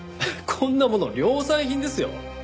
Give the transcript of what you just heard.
こんなもの量産品ですよ。